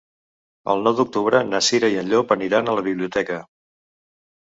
El nou d'octubre na Cira i en Llop aniran a la biblioteca.